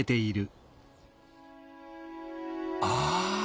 ああ！